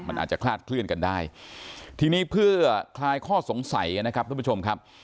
มันอาจจะคลาดเคลื่อนกันได้ทีนี้เพื่อคลายข้อสงสัยนะครับทุกผู้ชมครับ